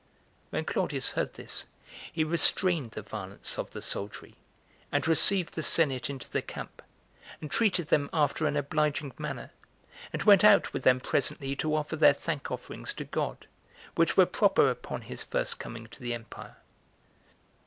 5. When Claudius heard this, he restrained the violence of the soldiery, and received the senate into the camp, and treated them after an obliging manner, and went out with them presently to offer their thank offerings to God, which were proper upon, his first coming to the empire.